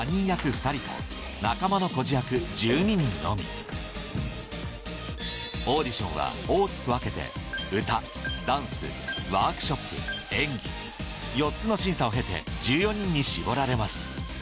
２人と仲間の孤児役１２人のみオーディションは大きく分けて４つの審査を経て１４人に絞られます